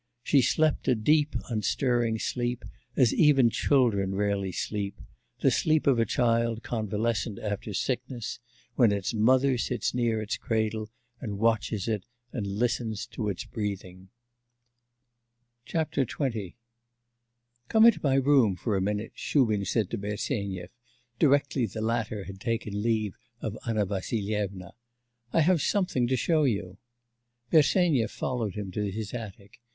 She slept a deep, unstirring sleep, as even children rarely sleep the sleep of a child convalescent after sickness, when its mother sits near its cradle and watches it, and listens to its breathing. XX 'Come to my room for a minute,' Shubin said to Bersenyev, directly the latter had taken leave of Anna Vassilyevna: 'I have something to show you.' Bersenyev followed him to his attic.